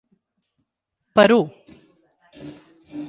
Perú.